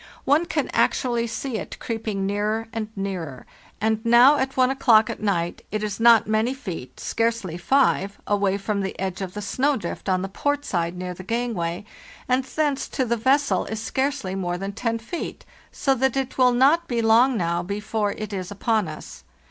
One can actually see it creeping nearer and nearer; and now, at 1 o'clock at night, it is not many feet—scarcely five—away from the edge of the snow drift on the port side near the gang way, and thence to the vessel 1s scarcely more than ten feet, so that it will not be long now before it is upon us.